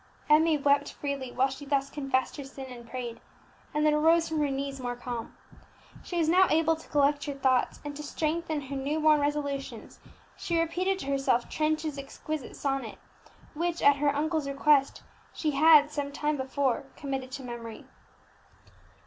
_" Emmie wept freely while she thus confessed her sin and prayed, and then arose from her knees more calm. She was now able to collect her thoughts; and to strengthen her new born resolutions she repeated to herself Trench's exquisite sonnet, which, at her uncle's request, she had, some time before, committed to memory.